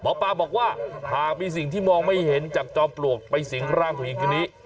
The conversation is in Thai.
หมอปลาบอกว่าหากมีสิ่งที่มองไม่เห็นจากจอมปลวกไปสิงร่างผู้หญิงคนนี้